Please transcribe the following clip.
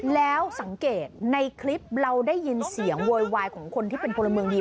แล้วสังเกตในคลิปเราได้ยินเสียงโวยวายของคนที่เป็นพลเมืองดี